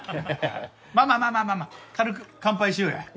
まあまあまあまあ軽く乾杯しようや。